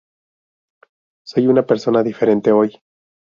Soy una persona diferente hoy.